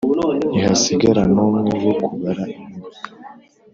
ntihasigara n'umwe wo kubara inkuru